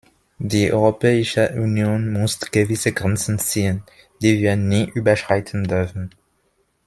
Die Europäische Union muss gewisse Grenzen ziehen, die wir nie überschreiten dürfen.